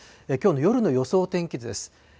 きょうの夜の予想天気図です。